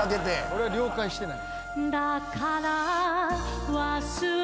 俺は了解してない。